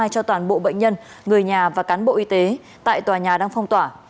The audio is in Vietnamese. cho toàn bộ bệnh nhân người nhà và cán bộ y tế tại tòa nhà đang phong tỏa